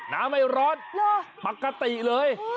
น้ำไม่ร้อนปกติเลย